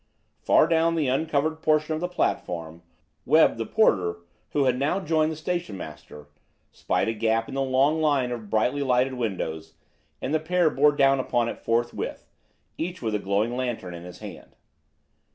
Far down the uncovered portion of the platform Webb, the porter, who had now joined the station master, spied a gap in the long line of brightly lighted windows, and the pair bore down upon it forthwith, each with a glowing lantern in his hand.